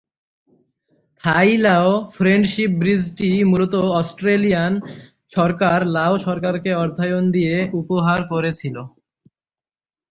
থাই-লাও friendship ব্রিজটি মূলত Australian সরকার লাও সরকারকে অর্থায়ন দিয়ে উপহার করেছিল।